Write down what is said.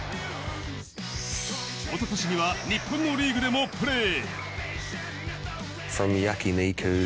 おととしには日本のリーグでもプレー。